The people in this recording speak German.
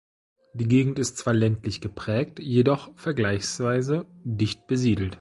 Die Gegend ist zwar ländlich geprägt, jedoch vergleichsweise dicht besiedelt.